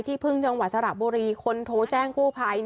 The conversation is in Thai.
พึ่งจังหวัดสระบุรีคนโทรแจ้งกู้ภัย